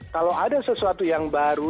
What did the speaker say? kalau ada sesuatu yang baru